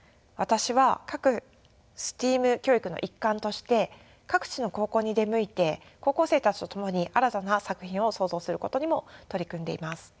私は各ＳＴＥＡＭ教育の一環として各地の高校に出向いて高校生たちと共に新たな作品を創造することにも取り組んでいます。